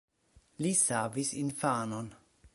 Li savis infanon.